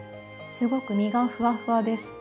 すごく身がふわふわです。